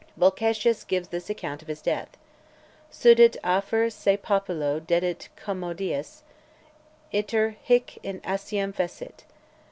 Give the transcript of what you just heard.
Volcatius gives this account of his death: Sed ut Afer sei populo dedit comoedias, Iter hic in Asiam fecit.